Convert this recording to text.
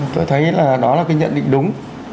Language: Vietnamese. tôi thấy là đó là cái nhận định đúng